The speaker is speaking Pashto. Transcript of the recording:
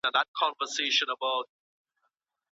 ايا اسلام د انسان خرڅول غندلي دي؟